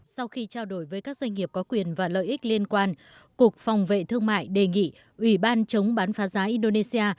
sau khi trao đổi với các doanh nghiệp có quyền và lợi ích liên quan cục phòng vệ thương mại đề nghị ủy ban chống bán phá giá indonesia